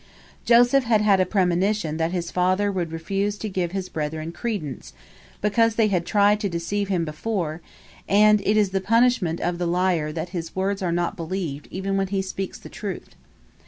Joseph had had a premonition that his father would refuse to give his brethren credence, because they had tried to deceive him before, and "it is the punishment of the liar that his words are not believed even when he speaks the truth."